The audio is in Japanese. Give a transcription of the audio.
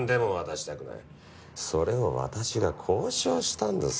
それを私が交渉したんです。